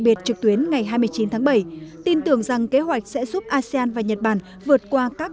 biệt trực tuyến ngày hai mươi chín tháng bảy tin tưởng rằng kế hoạch sẽ giúp asean và nhật bản vượt qua các